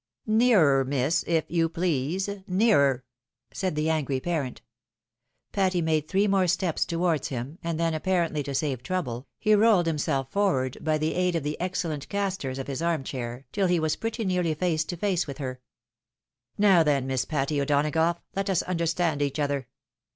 " Nearer, miss, if you please, nearer," said the angry parent. Patty made three more steps towards him, and then, apparently to save trouble, he rolled himself forward by the aid of the ex cellent castors of his arm ohair, till he was pretty nearly face to face with her. " Now then. Miss Patty O'Donagough, let us understand each other.